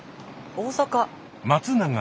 大阪。